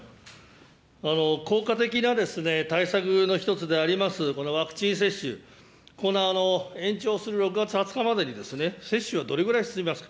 効果的な対策の一つであります、このワクチン接種、この延長する６月２０日までに接種はどれぐらい進みますか。